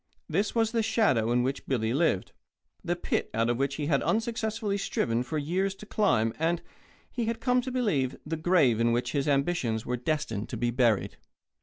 This was the shadow in which Billy lived, the pit out of which he had unsuccessfully striven for years to climb and, he had come to believe, the grave in which his ambitions were destined to be buried.